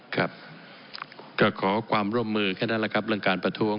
ครับก็ขอความร่วมมือแค่นั้นแหละครับเรื่องการประท้วง